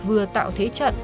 vừa tạo thế trận